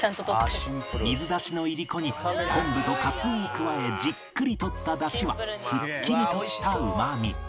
水出しのいりこに昆布とカツオを加えじっくり取った出汁はすっきりとしたうまみ